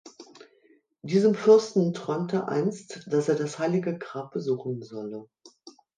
Diesem Fürsten träumte einst, dass er das heilige Grab besuchen solle.